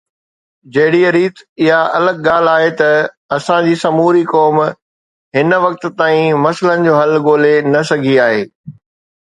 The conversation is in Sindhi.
جهڙيءَ ريت اها الڳ ڳالهه آهي ته اسان جي سموري قوم هن وقت تائين مسئلن جو حل ڳولي نه سگهي آهي